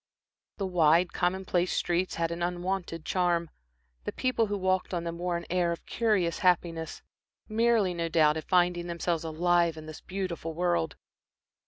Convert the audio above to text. The wide, commonplace streets had an unwonted charm, the people who walked on them wore an air of curious happiness, merely, no doubt, at finding themselves alive in this beautiful world.